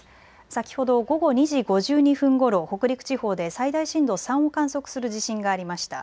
先ほど午後２時５２分ごろ北陸地方で最大震度３を観測する地震がありました。